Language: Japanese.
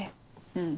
うん。